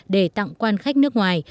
để tặng quan khách nước ngoài